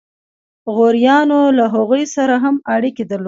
غوریانو له هغوی سره هم اړیکې درلودې.